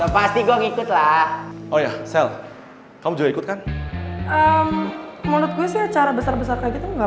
pasti gua ngikut lah oh ya sel kamu juga ikutkan menurut gue secara besar besar kayak gitu nggak